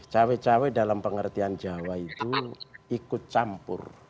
cewek cewek dalam pengertian jawa itu ikut campur